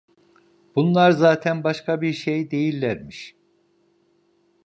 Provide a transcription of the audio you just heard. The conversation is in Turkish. Bunlar zaten başka bir şey değillermiş…